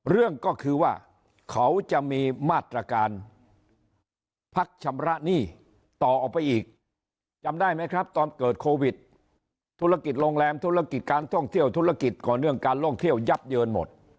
เรื่องก็คือว่าเขาจะมีมาตรการพักชำระหนี้ต่อออกไปอีกจำได้ไหมครับตอนเกิดโควิดธุรกิจโรงแรมธุรกิจการท่องเที่ยวธุรกิจต่อเนื่องการล่องเที่ยวยับเยินหมด